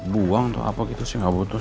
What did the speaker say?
buang atau apa gitu sih nggak butuh